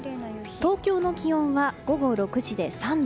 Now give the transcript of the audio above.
東京の気温は午後６時で３度。